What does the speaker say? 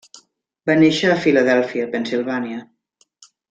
Va néixer a Filadèlfia, Pennsilvània.